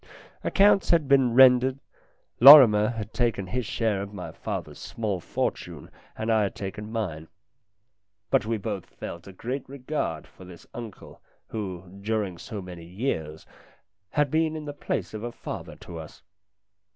Accounts had been rendered, Lorrimer had taken his share of my father's small 272 LINDA 273 fortune and I had taken mine. But we both felt a great regard for this uncle who, during so many years, had been in the place of a father to us.